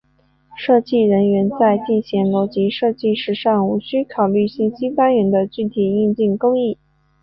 设计人员在进行逻辑设计时尚无需考虑信息单元的具体硬件工艺。